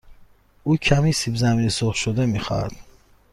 او کمی سیب زمینی سرخ شده می خواهد.